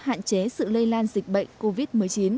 hạn chế sự lây lan dịch bệnh covid một mươi chín